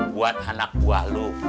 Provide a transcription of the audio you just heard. buat anak buah lu